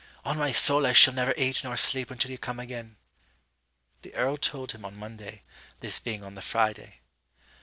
On my soul I shall neither eat nor sleep until you come again.' The earl told him on Monday (this being on the Friday).